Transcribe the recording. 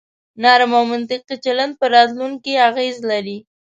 نرم او منطقي چلن په راتلونکي اغیز لري.